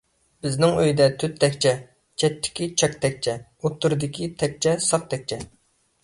بىزنىڭ ئۆيدە تۆت تەكچە، چەتتىكى چاك تەكچە، ئوتتۇرىدىكى تەكچە ساق تەكچە.